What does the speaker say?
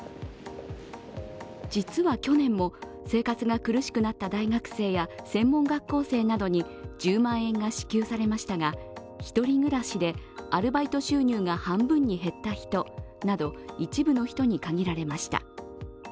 実は去年も生活が苦しくなった大学生や専門学校生などに１０万円が支給されましたが１人暮らしでアルバイト収入が半分に減った人など一部の人に限られました。